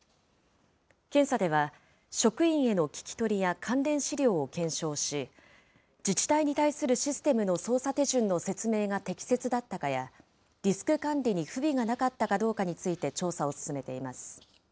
検査では、職員への聞き取りや関連資料を検証し、自治体に対するシステムの操作手順の説明が適切だったかや、リスク管理に不備がなかったかどうかについて、調査を進めています。